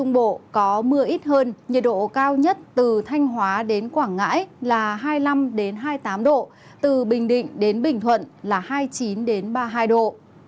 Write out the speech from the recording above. nhiệt độ hai quần ảo hoàng sa và trường sa lần lượt là hai mươi năm hai mươi chín độ và hai mươi sáu ba mươi một độ